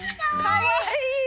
かわいい！